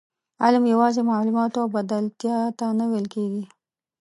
علم یوازې معلوماتو او بلدتیا ته نه ویل کېږي.